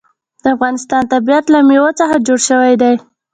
د افغانستان طبیعت له مېوې څخه جوړ شوی دی.